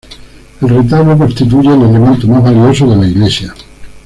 El retablo constituye el elemento más valioso de la iglesia.